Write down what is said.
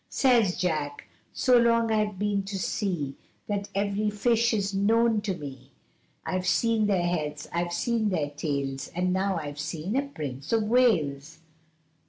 Says Jack, 'So long I've been to sea, That ev'ry fish is known to me I've seen their heads, I've seen their tails, And now I've seen a Prince of Wales.